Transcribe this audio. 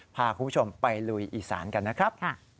พาคุณผู้ชมไปลุยอีสานกันนะครับ